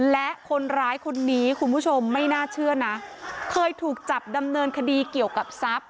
และคนร้ายคนนี้คุณผู้ชมไม่น่าเชื่อนะเคยถูกจับดำเนินคดีเกี่ยวกับทรัพย